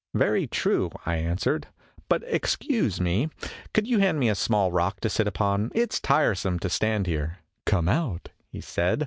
"Very true," I answered; "but, excuse me, could you hand me a small rock to sit upon? it is tiresome to stand here." " Come out," he said.